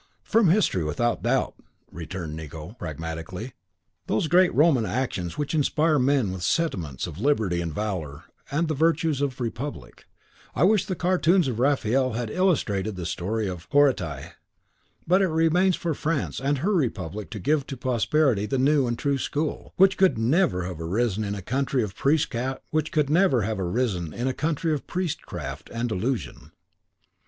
"From history, without doubt," returned Nicot, pragmatically, "those great Roman actions which inspire men with sentiments of liberty and valour, with the virtues of a republic. I wish the cartoons of Raphael had illustrated the story of the Horatii; but it remains for France and her Republic to give to posterity the new and the true school, which could never have arisen in a country of priestcraft and delusion."